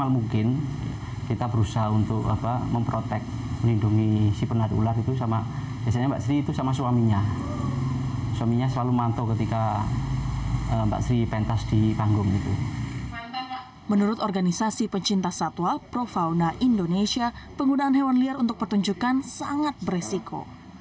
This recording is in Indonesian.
menurut organisasi pencinta satwa pro fauna indonesia penggunaan hewan liar untuk pertunjukan sangat beresiko